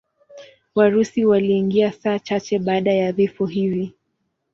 Warusi waliingia saa chache baada ya vifo hivi.